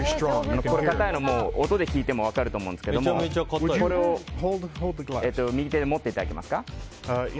硬いのは音で聞いても分かると思いますが右手で持っていただけますか？